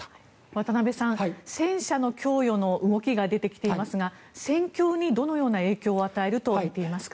渡部さん、戦車の供与の動きが出てきていますが戦況にどのような影響を与えると見ていますか。